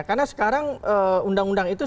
karena sekarang undang undang itu sudah